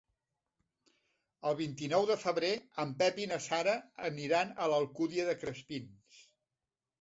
El vint-i-nou de febrer en Pep i na Sara aniran a l'Alcúdia de Crespins.